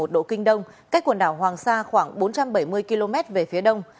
một trăm một mươi sáu một độ kinh đông cách quần đảo hoàng sa khoảng bốn trăm bảy mươi km về phía đông